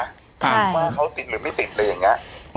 ว่าเขาติดหรือไม่ติดอะไรอย่างนี้